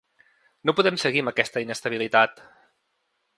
No podem seguir amb aquesta inestabilitat